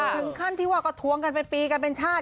ถึงขั้นที่ว่าก็ทวงกันเป็นปีกันเป็นชาติ